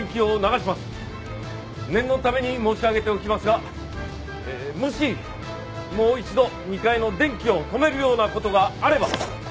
念のために申し上げておきますがもしもう一度２階の電気を止めるような事があれば。